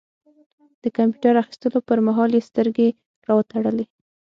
د کمپيوټر اخيستلو پر مهال يې سترګې را وتړلې.